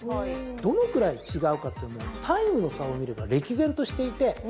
どのくらい違うかってのはタイムの差を見れば歴然としていて。